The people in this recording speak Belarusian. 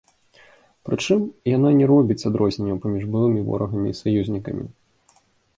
Прычым яна не робіць адрозненняў паміж былымі ворагамі і саюзнікамі.